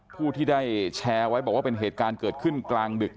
ผู้ที่ได้แชร์ไว้บอกว่าเป็นเหตุการณ์เกิดขึ้นกลางดึก